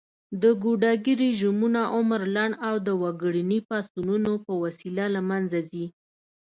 د ګوډاګي رژيمونه عمر لنډ او د وګړني پاڅونونو په وسیله له منځه ځي